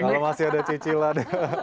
kalau masih ada cicilan